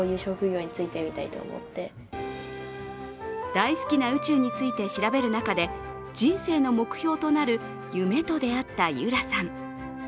大好きな宇宙について調べる中で人生の目標となる、夢と出会った結桜さん。